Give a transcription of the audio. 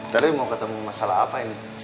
tadi mau ketemu masalah apa ini